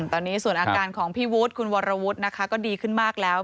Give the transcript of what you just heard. ตอนนี้ส่วนอาการของพี่วุฒิคุณวรวุฒินะคะก็ดีขึ้นมากแล้ว